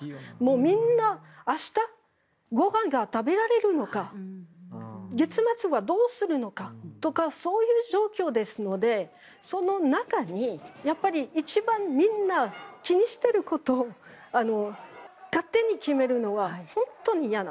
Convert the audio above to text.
みんな明日ご飯が食べられるのか月末はどうするのかとかそういう状況ですのでその中で一番、みんな気にしていること勝手に決めるのは本当に嫌。